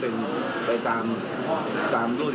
คุณคุณทรมานทุกคน